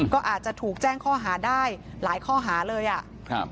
ก็อาจจะถูกแจ้งข้อหาได้หลายข้อหาเลยอ่ะครับ